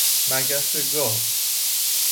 مگس گاو